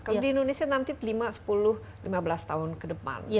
kalau di indonesia nanti lima sepuluh lima belas tahun ke depan